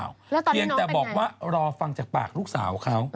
แล้วตอนนี้น้องเป็นไงเพียงแต่บอกว่ารอฟังจากปากลูกสาวเขา